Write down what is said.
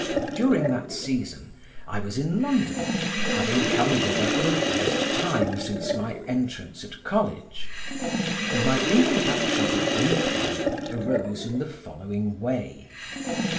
During that season I was in London, having come thither for the first time since my entrance at college. And my introduction to opium arose in the following way.